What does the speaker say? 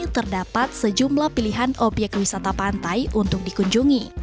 terdapat sejumlah pilihan obyek wisata pantai untuk dikunjungi